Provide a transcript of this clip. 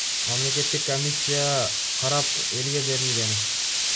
Мамлекеттик комиссия карап, элге берилген.